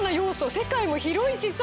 世界も広いしさ